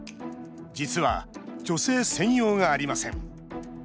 実は女性専用がありません。